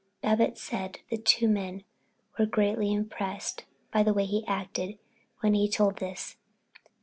Babbitts said the two men were greatly impressed by the way he acted when he told this.